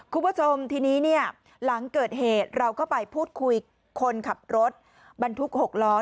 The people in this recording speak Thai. คุณผู้ชมทีนี้เนี่ยหลังเกิดเหตุเราก็ไปพูดคุยคนขับรถบรรทุก๖ล้อ